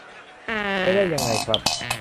ไม่ได้ยังไงครับ